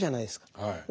はい。